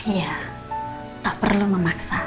ya tak perlu memaksa